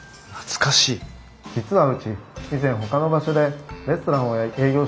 実はうち以前ほかの場所でレストランを営業していたんです。